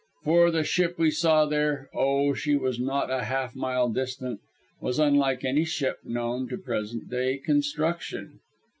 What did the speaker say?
For the ship that we saw there oh, she was not a half mile distant was unlike any ship known to present day construction.